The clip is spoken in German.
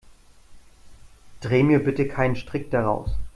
Dreh mir bitte keinen Strick daraus.